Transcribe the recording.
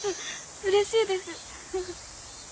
うれしいです。